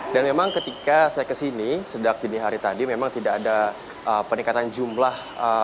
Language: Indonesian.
dan memang ketika saya kesini sedang dini hari tadi memang tidak ada peningkatan jumlah